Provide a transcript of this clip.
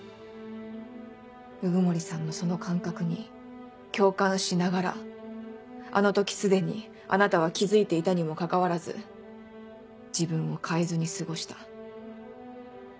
鵜久森さんのその感覚に共感しながらあの時既にあなたは気付いていたにもかかわらず自分を変えずに過ごした。